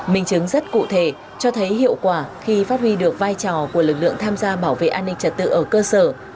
mình chứng rất cụ thể cho thấy hiệu quả khi phát huy được vai trò của lực lượng tham gia bảo vệ an ninh trật tự ở cơ sở